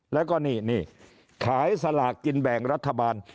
แล้วก็นี่ขายสลากกินแบ่งรัฐบาล